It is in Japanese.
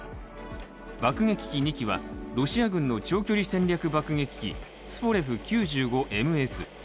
爆撃機２機はロシア軍の長距離戦略爆撃機ツポレフ９５ＭＳ。